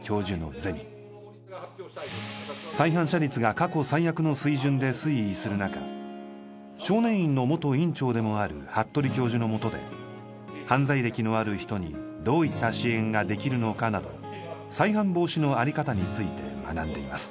再犯者率が過去最悪の水準で推移するなか少年院の元院長でもある服部教授のもとで犯罪歴のある人にどういった支援ができるのかなど再犯防止のあり方について学んでいます。